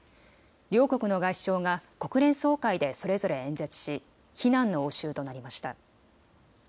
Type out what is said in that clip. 両国の外相が国連総会でそれぞれ演説し非難の応酬となりました。